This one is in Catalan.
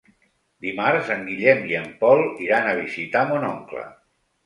Dimarts en Guillem i en Pol iran a visitar mon oncle.